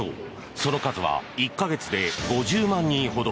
その数は１か月で５０万人ほど。